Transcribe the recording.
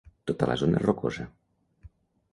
Tota la zona és rocosa.